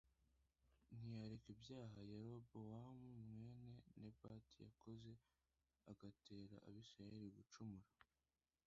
ntiyareka ibyaha Yerobowamu mwene Nebati yakoze agatera Abisirayeli gucumura